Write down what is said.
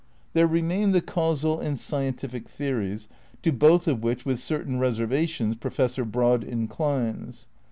There remain the causal and scientific theories, to both of which with certain reservations Professor Broad inclines.